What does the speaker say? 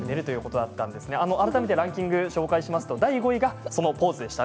改めてランキングご紹介しますと第５位はこのポーズでした。